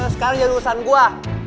sekarang jadikan urusan gue